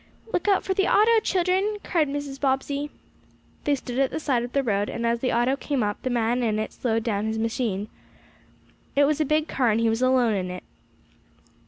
"Look out for the auto, children!" cried Mrs. Bobbsey. They stood at the side of the road, and as the auto came up the man in it slowed down his machine. It was a big car and he was alone in it.